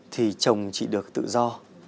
thì chồng chị được tự do